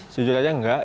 jujur aja enggak